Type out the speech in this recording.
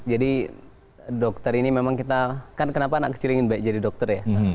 jadi dokter ini memang kita kan kenapa anak kecil ingin jadi dokter ya